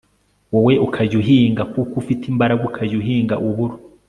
wowe ukajya uhinga kuko ufite imbaraga ukajya uhinga uburo